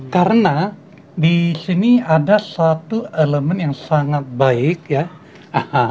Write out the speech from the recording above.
karena disini ada satu elemen yang sangat baik ya haha